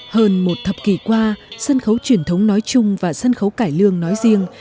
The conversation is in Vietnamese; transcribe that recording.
hơn một thập kỷ qua sân khấu truyền thống nói chung và sân khấu cải lương nói riêng